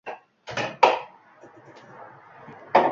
Elkalaridagi qopni erga qo`yib, bir-birini qattiq bag`riga bosdilar